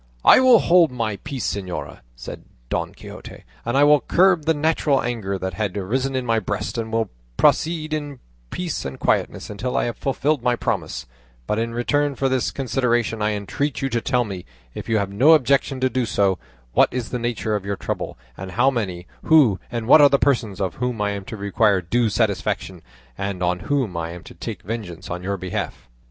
"I will hold my peace, señora," said Don Quixote, "and I will curb the natural anger that had arisen in my breast, and will proceed in peace and quietness until I have fulfilled my promise; but in return for this consideration I entreat you to tell me, if you have no objection to do so, what is the nature of your trouble, and how many, who, and what are the persons of whom I am to require due satisfaction, and on whom I am to take vengeance on your behalf?"